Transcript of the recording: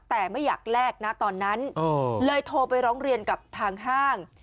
แต่ไม่อยากแลกนะตอนนั้นเลยโทรไปร้องเรียนกับทางห้าง